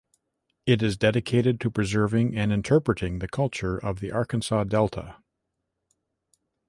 It is dedicated to preserving and interpreting the culture of the Arkansas Delta.